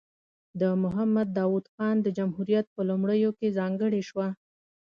د محمد داود خان د جمهوریت په لومړیو کې ځانګړې شوه.